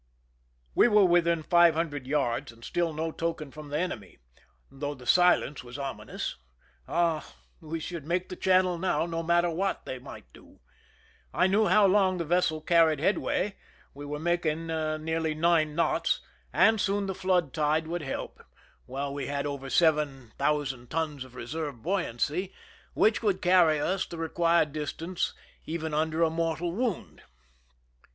We were within five hundred yards, and still no token from the enemy, though the silence was ominous. Ah, we should make the channel now, no matter what they might do ! I knew how long the vessel carried headway, we were making nearly nine knots, and soon the flood tide would help, 91 THE SINKING OF THE "MEEEIMAC^ while we had over seven thousand tons of reserve buoyancy, which would carry us the required dis tance even under a mortal wound.